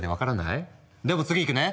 でも次行くね！